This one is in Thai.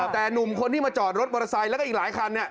แต่หนุ่มคนที่มาจอดรถมอเตอร์ไซค์แล้วก็อีกหลายคัน